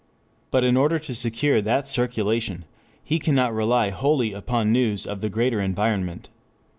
But in order to secure that circulation, he cannot rely wholly upon news of the greater environment.